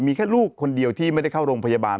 มีแค่ลูกคนเดียวที่ไม่ได้เข้าโรงพยาบาล